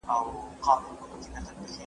زه مېوې نه خورم!